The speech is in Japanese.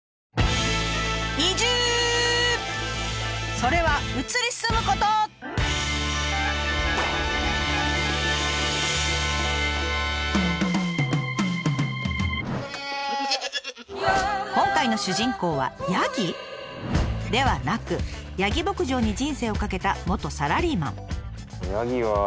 それは今回の主人公はではなくヤギ牧場に人生を懸けた元サラリーマン。